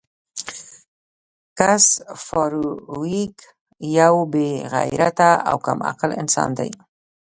ګس فارویک یو بې غیرته او کم عقل انسان دی